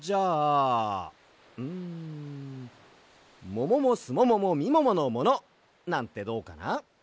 もももすもももみもものもの！なんてどうかな？